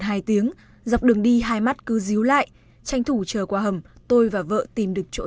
hai tiếng dọc đường đi hai mắt cứ ríu lại tranh thủ chờ qua hầm tôi và vợ tìm được chỗ